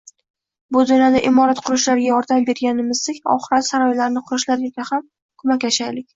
Bu dunyoda imorat qurishlariga yordam berganimizdek, oxirat saroylarini qurishlariga ham ko‘maklashaylik.